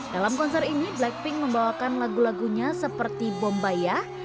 dalam konser ini blackpink membawakan lagu lagunya seperti bombayyah